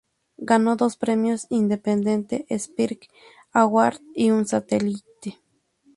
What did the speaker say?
Ganó dos premios Independent Spirit Award y un Satellite.